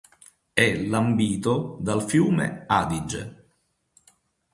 È lambito dal fiume Adige.